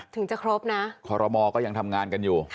ถึงจะครบนะคอรมอก็ยังทำงานกันอยู่